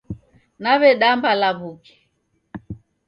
Naw'edamba law'uke